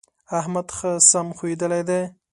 احمد ښه سم ښويېدلی دی.